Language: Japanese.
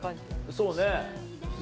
そうね。